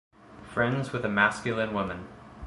Friends with a masculine woman.